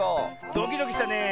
ドキドキしたねえ。